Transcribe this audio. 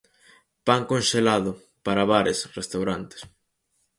Pan conxelado, para bares, restaurantes.